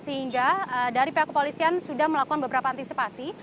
sehingga dari pihak kepolisian sudah melakukan beberapa antisipasi